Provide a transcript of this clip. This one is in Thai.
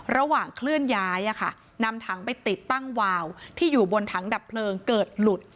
เคลื่อนย้ายนำถังไปติดตั้งวาวที่อยู่บนถังดับเพลิงเกิดหลุด